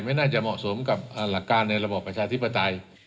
ไม่น่าจะเหมาะสมกับหลักการในระบอบประชาธิปไตย